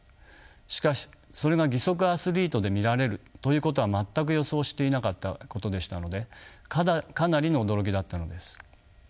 しかしそれが義足アスリートで見られるということは全く予想していなかったことでしたのでかなりの驚きだったのです。